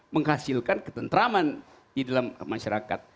menghasilkan ketentraman di dalam masyarakat